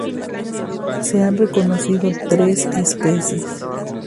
Se han reconocido tres especies.